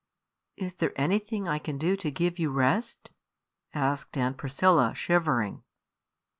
"Is there anything I can do to give you rest?" asked Aunt Priscilla, shivering.